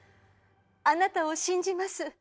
あなたを信じます。